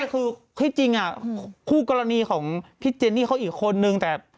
คือที่จริงคู่กรณีของพี่เจนนี่เขาอีกคนนึงแต่